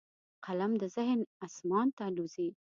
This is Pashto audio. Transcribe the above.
قلم د ذهن اسمان ته الوزي